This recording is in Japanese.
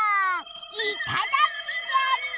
いただきじゃりー！